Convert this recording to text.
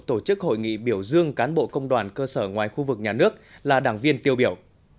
tổ chức hội nghị biểu dương cán bộ công đoàn cơ sở ngoài khu vực nhà nước là đảng viên tiêu biểu